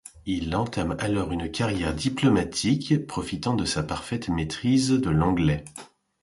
Il entame alors une carrière diplomatique, profitant de sa parfaite maîtrise de l'anglais.